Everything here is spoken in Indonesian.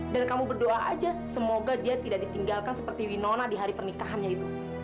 dan kamu berdoa aja semoga dia tidak ditinggalkan seperti winona di hari pernikahannya itu